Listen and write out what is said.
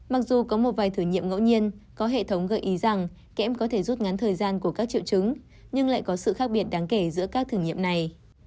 mặc dù có một vài thử nghiệm ngẫu nhiên có hệ thống gợi ý rằng kem có thể rút ngắn thời gian của các triệu chứng nhưng lại có sự khác biệt đáng kể giữa các thử nghiệm này